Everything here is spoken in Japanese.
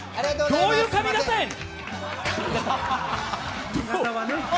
どういう髪形やねん！？